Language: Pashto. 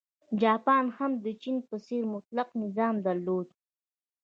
جاپان هم د چین په څېر مطلقه نظام درلود.